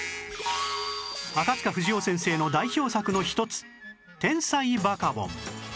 赤塚不二夫先生の代表作の１つ『天才バカボン』